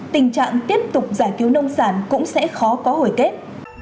tình trạng tiếp tục giải cứu nông sản cũng sẽ khó có hồi kết